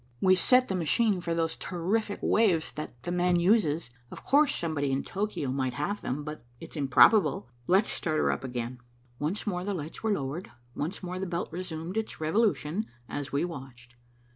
"We set the machine for those terrific waves that 'the man' uses. Of course somebody in Tokio might have them, but it's improbable. Let's start her up again." Once more the lights were lowered, once more the belt resumed its revolution, as we watched.